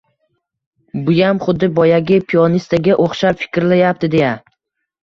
«Buyam xuddi boyagi piyonistaga o‘xshab fikrlayapti», deya